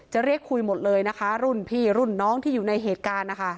จะเรียกคุยหมดเลยนะคะรุ่นพี่รุ่นน้องที่อยู่ในเหตุการณ์นะคะ